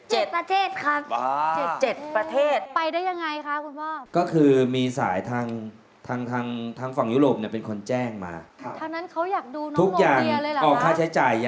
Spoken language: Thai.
เฮ่ยส่งดีจิ้มตาลน้องเลย